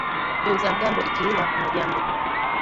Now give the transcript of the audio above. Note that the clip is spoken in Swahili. Mbiu za mgambo ikilia kuna jambo